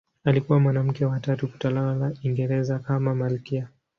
Alikuwa mwanamke wa tatu kutawala Uingereza kama malkia.